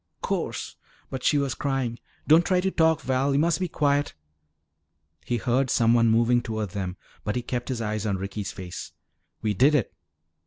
"'Course!" But she was crying. "Don't try to talk, Val. You must be quiet." He heard someone moving toward them but he kept his eyes on Ricky's face. "We did it!"